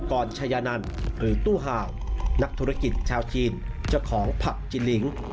กรชายานันหรือตู้ห่าวนักธุรกิจชาวจีนเจ้าของผับจิลิง